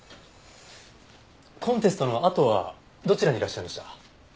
コンテストのあとはどちらにいらっしゃいました？